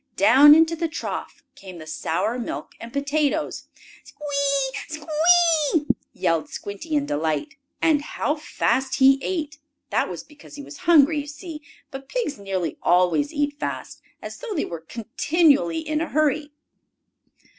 Down into the trough came the sour milk and potatoes. "Squee! Squee!" yelled Squinty in delight. And how fast he ate! That was because he was hungry, you see, but pigs nearly always eat fast, as though they were continually in a hurry.